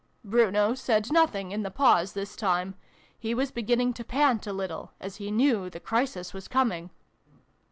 " (Bruno said nothing in the pause this time. He was beginning to pant a little, as he knew the crisis was coming.)